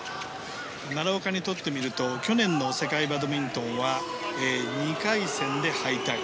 奈良岡にとってみると去年の世界バドミントンは２回戦で敗退。